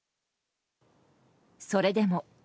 それでも。